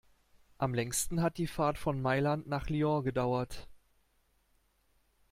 Am längsten hat die Fahrt von Mailand nach Lyon gedauert.